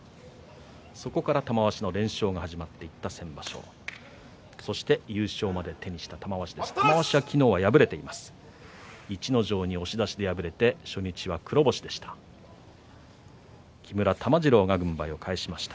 そこから玉鷲の連勝が始まっていった先場所、そして優勝まで手にした玉鷲です。